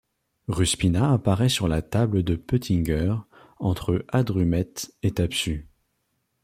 Ruspina apparaît sur la table de Peutinger, entre Hadrumète et Thapsus.